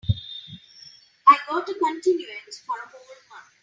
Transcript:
I got a continuance for a whole month.